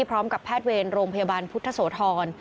พร้อมกับแพทย์เวรโรงพยาบาลพุทธโสธร